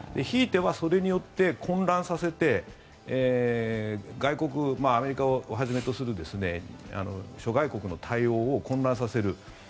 ひいてはそれによって混乱させてアメリカをはじめとする諸外国の対応を混乱させる。